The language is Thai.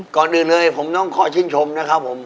ก่อนอื่นเลยผมต้องขอชื่นชมนะครับผม